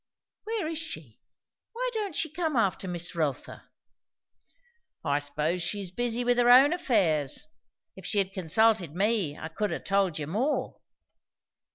"Where is she? Why don't she come after Miss Rotha?" "I s'pose she's busy with her own affairs. If she' had consulted me, I could ha' told you more."